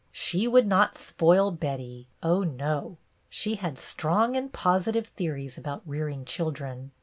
She would not spoil Betty, oh, no 1 She had strong and positive theories about rearing children.